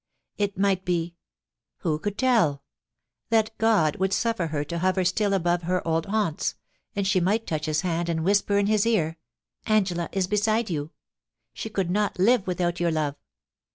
... It might be — who could tell ?— that God would suifer her to hover still above her old haunts, and she might touch his hand and whisper in his ear, ' Angela is beside you. She could not live without your love.'